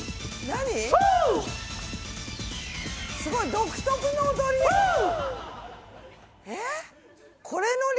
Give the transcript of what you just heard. すごい独特な踊り。